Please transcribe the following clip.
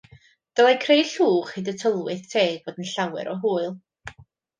Dylai creu llwch hyd y tylwyth teg fod yn llawer o hwyl.